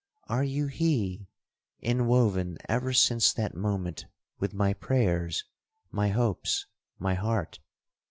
Are you he, inwoven ever since that moment with my prayers, my hopes, my heart?